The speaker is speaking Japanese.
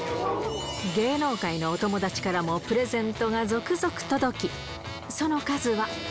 芸能界のお友達からもプレゼントが続々届き、その数は。